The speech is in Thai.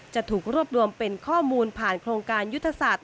จะถูกรวบรวมเป็นข้อมูลผ่านโครงการยุทธศาสตร์